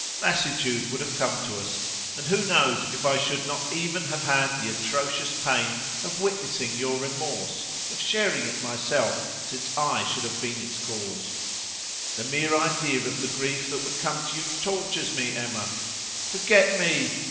Lassitude would have come to us, and who knows if I should not even have had the atrocious pain of witnessing your remorse, of sharing it myself, since I should have been its cause? The mere idea of the grief that would come to you tortures me, Emma. Forget me!